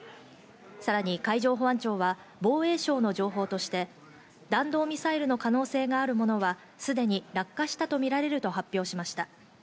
さらに海上保安庁は防衛省の情報として、弾道ミサイルの可能性があるものはすでに落下したとみられると発表しました。